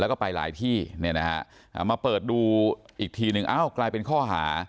แล้วก็ไปหลายที่เนี่ยนะฮะมาเปิดดูอีกทีหนึ่งอ้าวกลายเป็นข้อหา